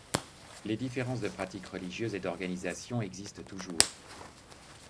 Les différences de pratiques religieuses et d'organisation existent toujours.